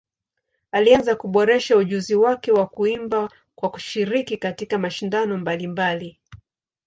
Alianza kuboresha ujuzi wake wa kuimba kwa kushiriki katika mashindano mbalimbali.